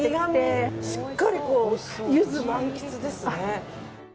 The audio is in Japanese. しっかりゆず満喫ですね。